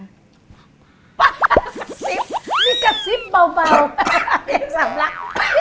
ซิปนี่ก็ซิปเบาสำรัก